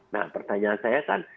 nah pertanyaan saya kan